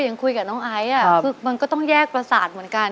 อย่างคุยกับน้องไอซ์คือมันก็ต้องแยกประสาทเหมือนกัน